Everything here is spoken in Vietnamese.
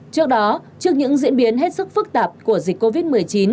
trước đó trước những diễn biến hết sức phức tạp của dịch covid một mươi chín